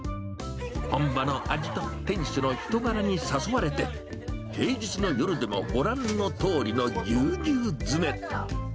本場の味と店主の人柄に誘われて、平日の夜でも、ご覧のとおりのぎゅうぎゅう詰め。